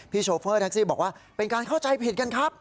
โชเฟอร์แท็กซี่บอกว่าเป็นการเข้าใจผิดกันครับ